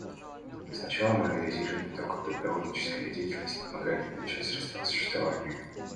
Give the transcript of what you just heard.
Сначала мы анализируем то, как добровольческая деятельность помогает получать средства к существованию.